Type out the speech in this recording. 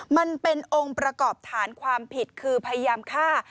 มันเป็นองค์ประกอบฐานความผิดคือพยายามฆ่า